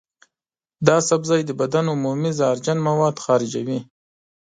دا سبزی د بدن عمومي زهرجن مواد خارجوي.